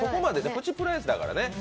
プチプライスだからね。